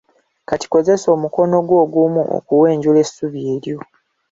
Kati kozesa omukono gwo ogumu okuwenjula essubi eryo.